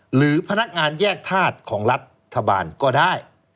หรือพนักงานแยกธาตุของรัฐบาลก็ได้